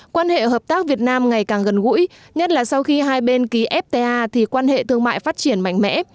quan hệ hợp tác việt nam ngày càng gần gũi nhất là sau khi hai bên ký fta thì quan hệ thương mại phát triển mạnh mẽ